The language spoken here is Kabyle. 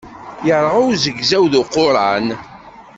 Irɣa uzegzaw d uquran.